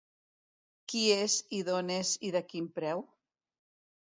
Qui és, i d'on és i de quin preu?